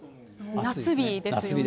夏日ですね。